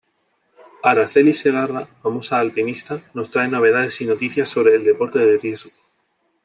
Araceli Segarra, famosa alpinista, nos trae novedades y noticias sobre el deporte de riesgo